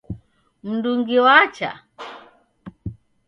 Mndungi wacha?